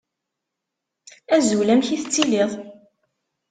Azul. Amek i tettiliḍ?